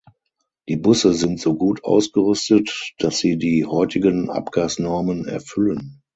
Die Busse sind so ausgerüstet, dass sie die heutigen Abgasnormen erfüllen.